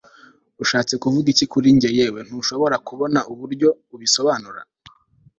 ushatse kuvuga iki kuri njye yewe ntushobora kubona uburyo ubisobanura